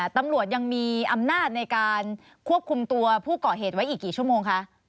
ตำรวจยังมีอำนาจในการควบคุมตัวผู้เกาะเหตุไว้อีกกี่ชั่วโมงคะ